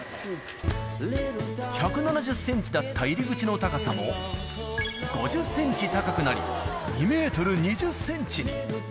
１７０センチだった入り口の高さも、５０センチ高くなり、２メートル２０センチに。